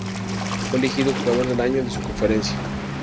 Fue elegido Jugador del Año de su conferencia.